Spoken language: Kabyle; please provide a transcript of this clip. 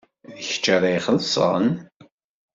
D kečč ara ixellṣen?